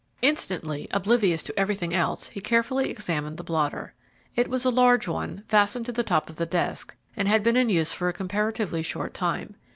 Instantly, oblivious to everything else, he carefully examined the blotter. It was a large one, fastened to the top of the desk, and had been in use but a comparatively short time.